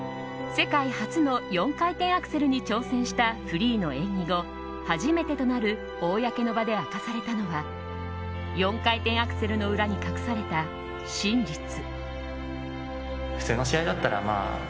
世界初の４回転アクセルに挑戦したフリーの演技後、初めてとなる公の場で明かされたのは４回転アクセルの裏に隠された真実。